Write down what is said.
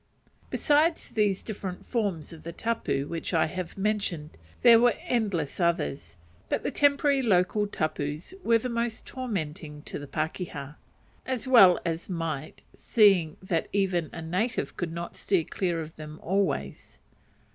Besides these different forms of the tapu which I have mentioned, there were endless others; but the temporary local tapus were the most tormenting to a pakeha: as well they might, seeing that even a native could not steer clear of them always.